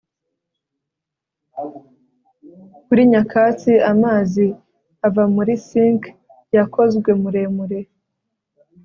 Kuri nyakatsi amazi ava muri sink yakozwe muremure